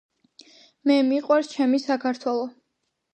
მე მიყვარს ჩემი საქართველო